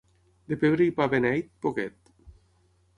De pebre i pa beneit, poquet.